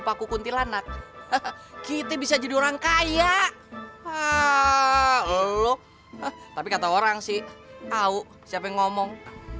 paku kuntilanak kita bisa jadi orang kaya lo tapi kata orang sih tahu siapa yang ngomong